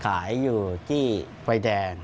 ขายอยู่ที่ไฟแดง